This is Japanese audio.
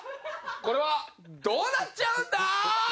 これはどうなっちゃうんだ？